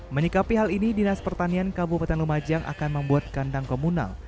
menyikapi hal ini dinas pertanian kabupaten lumajang akan membuat kandang komunal